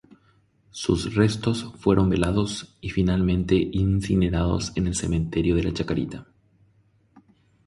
Sus restos fueron velados, y finalmente incinerados en el Cementerio de la Chacarita.